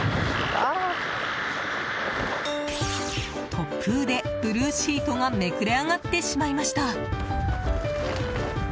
突風でブルーシートがめくれ上がってしまいました。